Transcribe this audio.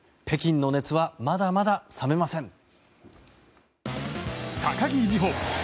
北京の熱はまだまだ冷めません。